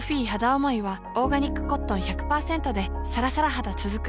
おもいはオーガニックコットン １００％ でさらさら肌つづく